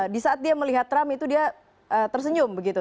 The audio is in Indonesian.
di saat dia melihat trump itu dia tersenyum begitu